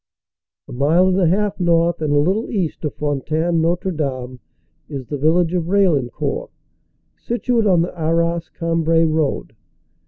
A mile and a half north and a little east of Fontaine Notre Dame is the village of Raillencourt, situate on the Arras Cam brai road.